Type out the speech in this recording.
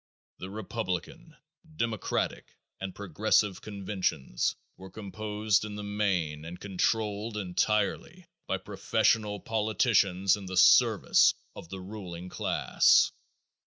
The Republican, Democratic and Progressive conventions were composed in the main and controlled entirely by professional politicians in the service of the ruling class.